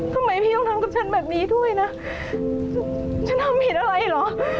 ทำไมพี่ต้องทำกับฉันแบบนี้ด้วยนะฉันทำผิดอะไรเหรอ